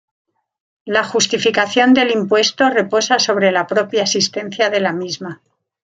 La justificación del impuesto reposa sobre la propia existencia de la misma.